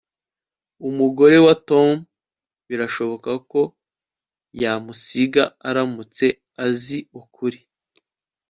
Umugore wa Tom birashoboka ko yamusiga aramutse azi ukuri